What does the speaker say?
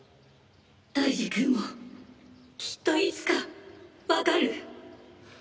大二くんもきっといつかわかる。